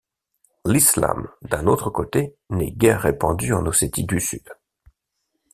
L'islam, d'un autre côté, n'est guère répandu en Ossétie du Sud.